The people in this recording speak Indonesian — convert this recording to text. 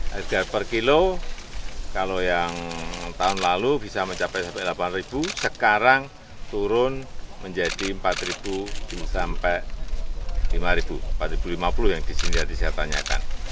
harga per kilo kalau yang tahun lalu bisa mencapai rp delapan sekarang turun menjadi empat sampai empat lima puluh yang disini tadi saya tanyakan